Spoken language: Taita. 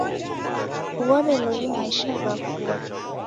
Kughora loli maisha ghakua!